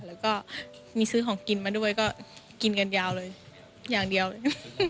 แล้วก็มีซื้อของกินมาด้วยก็กินกันยาวเลยอย่างเดียวเลย